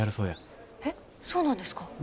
えっそうなんですか？